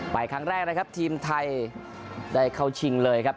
ครั้งแรกนะครับทีมไทยได้เข้าชิงเลยครับ